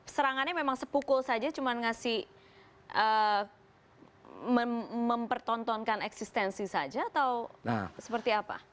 serangannya memang sepukul saja cuma ngasih mempertontonkan eksistensi saja atau seperti apa